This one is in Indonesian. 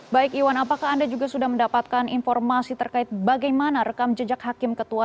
baik iwan apakah anda juga sudah mendapatkan informasi terkait bagaimana rekam jejak hakim ketua